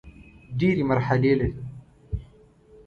ډېري مرحلې لري .